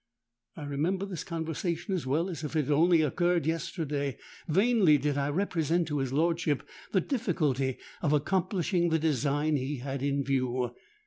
'—I remember this conversation as well as if it only occurred yesterday. Vainly did I represent to his lordship the difficulty of accomplishing the design he had in view.